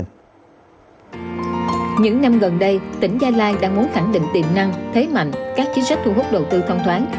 những năm gần đây tỉnh gia lai đang muốn khẳng định tiềm năng thế mạnh các chính sách thu hút đầu tư thông thoáng